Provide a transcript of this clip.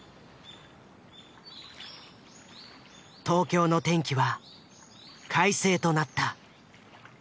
東京の天気は快晴となった。